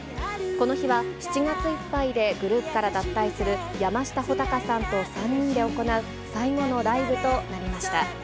この日は、７月いっぱいでグループから脱退する山下穂尊さんと３人で行う最後のライブとなりました。